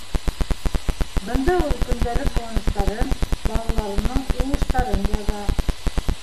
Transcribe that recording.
Бында ул көндәлек ҡыуаныстарын, балаларының уңыштарын яҙа.